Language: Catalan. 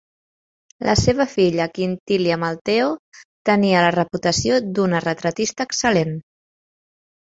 La seva filla Quintilia Amalteo tenia la reputació d'una retratista excel·lent.